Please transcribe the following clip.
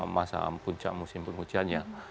masa puncak musim hujannya